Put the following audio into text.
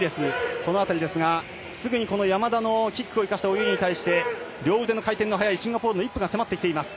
この辺りですが、すぐに山田のキックを生かした泳ぎに対して両腕の回転が速いイップが迫ってきています。